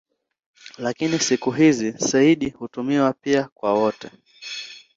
Lakini siku hizi "sayyid" hutumiwa pia kwa wote.